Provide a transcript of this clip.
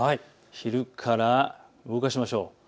昼から動かしましょう。